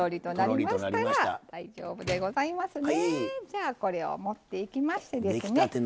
じゃあこれを持っていきましてですね